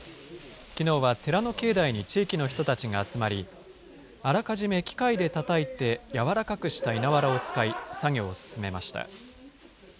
きのうは寺の境内に地域の人たちが集まり、あらかじめ機械でたたいて柔らかくした稲わらを使い、作業を進めました。